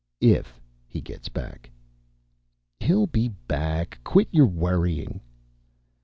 "If he gets back." "He'll be back. Quit your worrying."